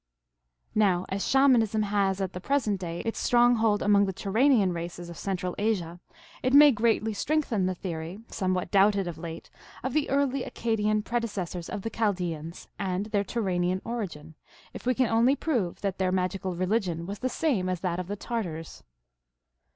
Now as Shamanism has at the present day its stronghold among the Turanian races of Central Asia, it may greatly strengthen the theory, somewhat doubted of late, of the early Accadian predecessors of the Chal deans and their Turanian origin, if we can only prove that their magical religion was the same as that of the Tartars.